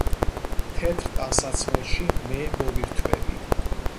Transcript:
თეთრ ტანსაცმელში მე მოვირთვები